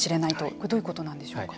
これはどういうことなんでしょうか。